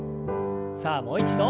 さあもう一度。